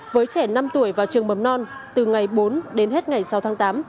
với trẻ năm tuổi vào trường mầm non từ ngày bốn đến hết ngày sáu tháng tám